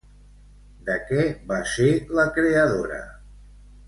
De què va ser la creadora?